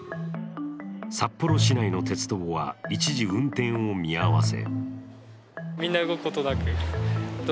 札幌市内の鉄道は一時運転を見合わせ